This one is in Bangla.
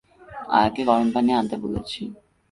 আয়াকে গরম পানি আনতে বলেছি।